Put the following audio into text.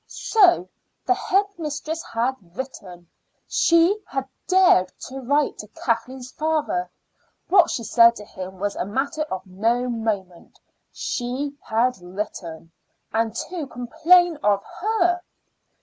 So the head mistress had written; she had dared to write to Kathleen's father. What she said to him was a matter of no moment; she had written, and to complain of her!